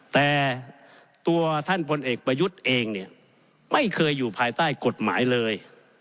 แต่ตัวท่านพลเอกประยุทธ์เองเนี่ยไม่เคยอยู่ภายใต้กฎหมายเลย